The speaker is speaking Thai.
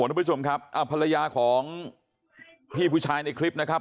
ทุกผู้ชมครับภรรยาของพี่ผู้ชายในคลิปนะครับ